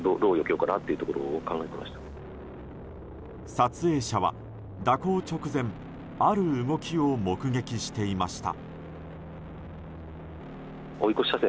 撮影者は蛇行直前ある動きを目撃していました。